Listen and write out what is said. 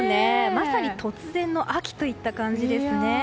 まさに突然の秋といった感じですね。